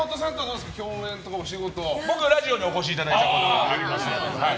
僕ラジオにお越しいただいたことがあります。